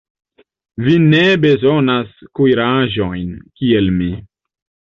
Vi ne bezonas kuiraĵojn, kiel mi.